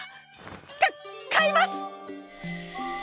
かっ買います！